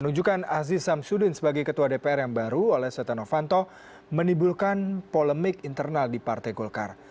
menunjukkan aziz samsudin sebagai ketua dpr yang baru oleh setia novanto menimbulkan polemik internal di partai golkar